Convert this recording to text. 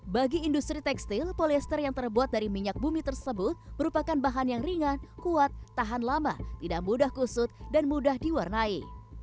bagi industri tekstil polyester yang terbuat dari minyak bumi tersebut merupakan bahan yang ringan kuat tahan lama tidak mudah kusut dan mudah diwarnai